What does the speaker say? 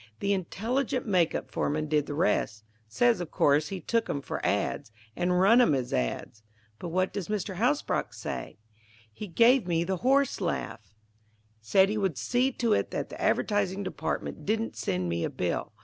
The intelligent make up foreman did the rest: says of course he took 'em for ads. and run 'em as ads." "But what does Mr. Hasbrouck say?" "He gave me the horse laugh; said he would see to it that the advertising department didn't send me a bill.